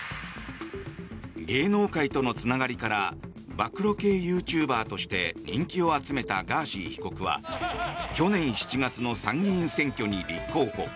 芸能界とのつながりから暴露系ユーチューバーとして人気を集めたガーシー被告は去年７月の参議院選挙に立候補。